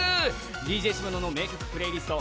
ＤＪ下野の名曲プレイリスト